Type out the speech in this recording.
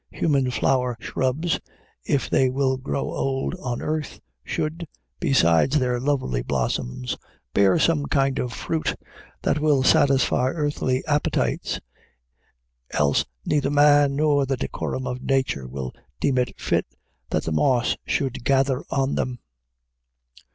Human flower shrubs, if they will grow old on earth, should, besides their lovely blossoms, bear some kind of fruit that will satisfy earthly appetites, else neither man nor the decorum of nature will deem it fit that the moss should gather on them.